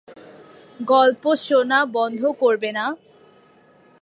গল্প শোনা বন্ধ করবেনা।